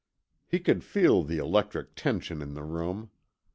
He could feel the electric tension in the room.